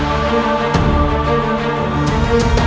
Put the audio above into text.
perasaan semua saping kayak gini